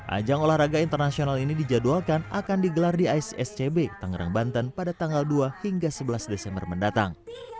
ajang olahraga internasional ini dijadwalkan akan digelar di aisscb tangerang banten pada tanggal dua hingga sebelas desember mendatang